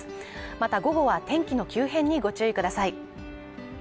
また午後は天気の急変にご注意ください。